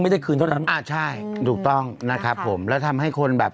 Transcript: ไม่ได้คืนทฤษภัณฑ์ค่ะใช่ถูกต้องนะครับผมแล้วทำให้คนแบบ